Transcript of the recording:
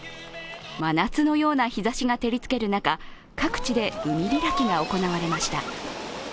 真夏のような日ざしが照りつける中、各地で海開きが行われました。